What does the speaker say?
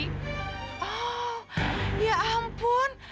oh ya ampun